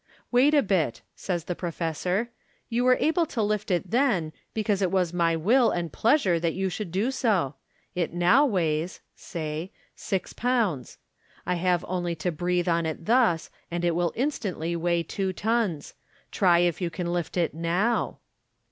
" Wait a bit," says the professor, " you were able to lift it then, because it was my will and pleasure that you should do so. It now weighs " (say) " six pounds. I have only to breathe on it thus, and it will instantly weigh two tons. Try if you can Hft it now.'